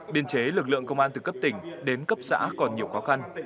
điện chế lực lượng công an từ cấp tỉnh đến cấp xã còn nhiều khó khăn